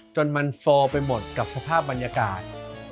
จนมันโฟลไปหมดกับสภาพบรรยากาศ